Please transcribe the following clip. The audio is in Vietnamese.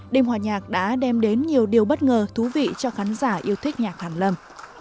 đêm hòa nhạc đã đem đến nhiều điều bất ngờ thú vị cho khán giả yêu thích nhạc hẳn lầm